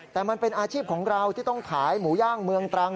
แต่มันเป็นอาชีพของเราที่ต้องขายหมูย่างเมืองตรัง